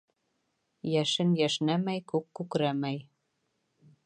Йәшен йәшнәмәй күк күкрәмәй.